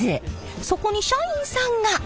そこに社員さんが！